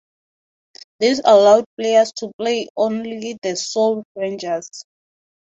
This allowed players to play only as The Soul Rangers.